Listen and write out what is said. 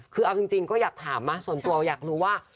คือเอาจริงก็อยากถามนะส่วนตัวอยากรู้ว่า